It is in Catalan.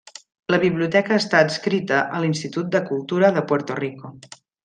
La biblioteca està adscrita a l'Institut de Cultura de Puerto Rico.